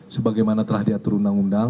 sebagaimana telah diatur undang undang